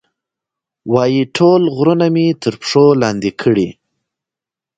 وایي، ټول غرونه مې تر پښو لاندې کړي.